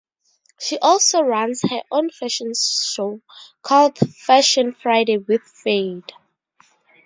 She also runs her own fashion show called Fashion Friday with Fade.